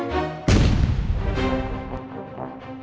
silakan pak komar